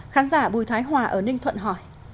khán giả bùi thái hòa ở ninh thuận hỏi